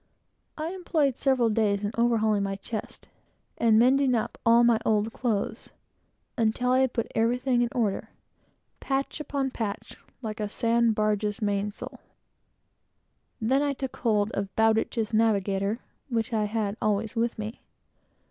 I employed several days in overhauling my chest, and mending up all my old clothes, until I had got everything in order patch upon patch, like a sand barge's mainsail. Then I took hold of Bowditch's Navigator, which I had always with me.